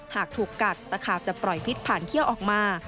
หากถูกกัดตะขาบจะปล่อยพิษผ่านเขี้ยวออกมา